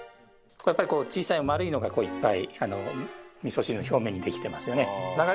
やっぱりこう小さい丸いのがいっぱいみそ汁の表面に出来てますよね。